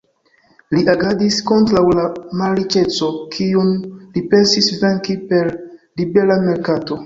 Li agadis kontraŭ la malriĉeco, kiun li pensis venki per libera merkato.